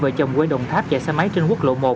hai vợ chồng quê đồng tháp dạy xe máy trên quốc lộ một